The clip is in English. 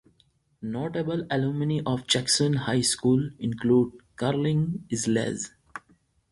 Notable alumni of Jackson High School include: Carlin Isles.